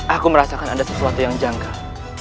aku merasakan ada sesuatu yang jangkau